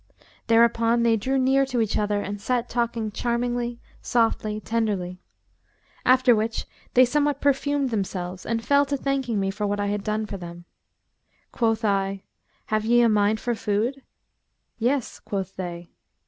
Thereupon they drew near to each other and sat talking charmingly, softly, tenderly; after which they somewhat perfumed themselves and fell to thanking me for what I had done for them. Quoth I, 'Have ye a mind for food?' 'Yes,' quoth they.